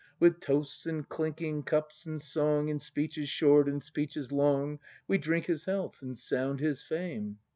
With toasts and clinking cups and song. In speeches short and speeches long, We drink his health and sound his fame.